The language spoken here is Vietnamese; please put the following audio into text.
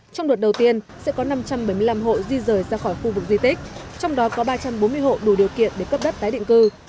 trong đó có ba trăm bốn mươi hộ đủ điều kiện để cấp đất tái định cư